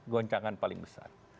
goncangan paling besar